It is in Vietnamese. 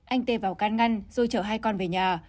anh tê vào can ngăn rồi chở hai con về nhà